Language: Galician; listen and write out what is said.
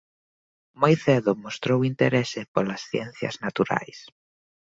Moi cedo mostrou interese polas ciencias naturais.